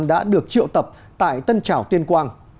đã được triệu tập tại tân trào tiên quang